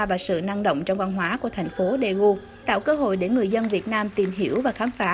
và sự năng động trong văn hóa của thành phố daegu tạo cơ hội để người dân việt nam tìm hiểu và khám phá